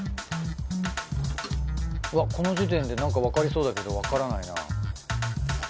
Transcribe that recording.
うわこの時点でなんかわかりそうだけどわからないな。